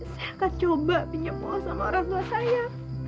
saya akan coba menyembuhkan orangtuaku